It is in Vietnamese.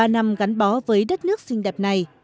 một mươi ba năm gắn bó với đất nước xinh đẹp này